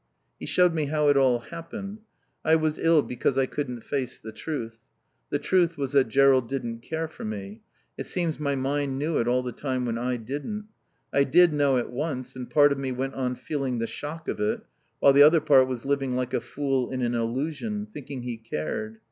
"He showed me how it all happened. I was ill because I couldn't face the truth. The truth was that Jerrold didn't care for me. It seems my mind knew it all the time when I didn't. I did know it once, and part of me went on feeling the shock of it, while the other part was living like a fool in an illusion, thinking he cared.